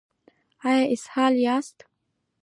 ایا اسهال یاست؟